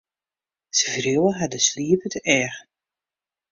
Sy wreau har de sliep út de eagen.